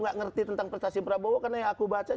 nggak ngerti tentang prestasi prabowo karena yang aku baca